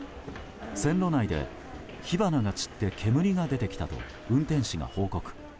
線路内で火花が散って煙が出てきたと運転士が報告。